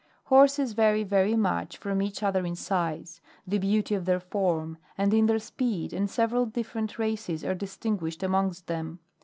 18. Horses vary very much from each other in size, the beauty of their form, and in their speed, and several different races are distinguished amongst them.